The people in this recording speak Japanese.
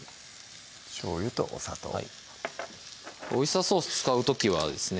しょうゆとお砂糖オイスターソース使う時はですね